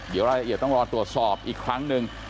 เดี๋ยวรายละเอียดต้องรอตรวจสอบอีกครั้งหนึ่ง